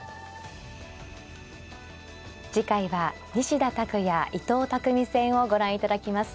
次回は西田拓也伊藤匠戦をご覧いただきます。